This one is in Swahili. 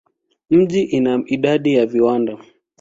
Mji ina idadi ya viwanda.